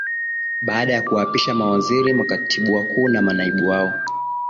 Baada ya kuwaapisha mawaziri makatibu wakuu na manaibu wao